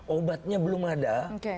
obatnya belum ada